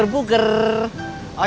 nanti aku ntar nungguin